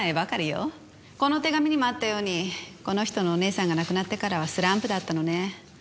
この手紙にもあったようにこの人のお姉さんが亡くなってからはスランプだったのね。